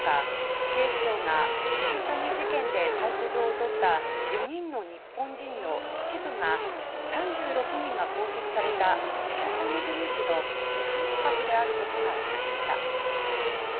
警視庁が特殊詐欺事件で逮捕状を取った４人の日本人の一部が３６人が拘束された特殊詐欺グループの主犯格であることがわかりました。